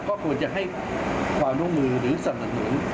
ก็ควรจะให้ความร่วมมือหรือสนับสนุน